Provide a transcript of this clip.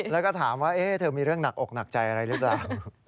แล้วก็ถามว่าเธอมีเรื่องหนักอกหนักใจอะไรหรือเปล่า